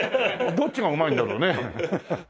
どっちがうまいんだろうね？